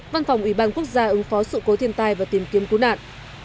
văn phòng ủy ban quốc gia ứng phó sự cố thiên tai và tìm kiếm cứu nạn